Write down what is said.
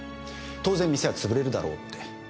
当然店は潰れるだろうって。